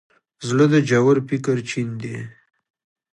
زړه د ژور فکر چین دی.